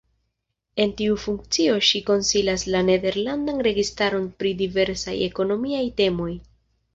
En tiu funkcio ŝi konsilas la nederlandan registaron pri diversaj ekonomikaj temoj.